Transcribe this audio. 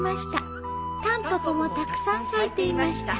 「タンポポもたくさん咲いていました」